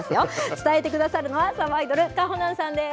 伝えてくださるのは、さばいどる、かほなんさんです。